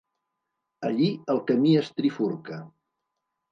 Allí el camí es trifurca.